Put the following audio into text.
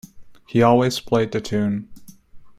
He always played the tune.